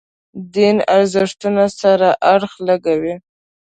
دین ارزښتونو سره اړخ لګوي.